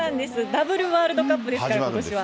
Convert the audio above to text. ダブルワールドカップですから、ことしは。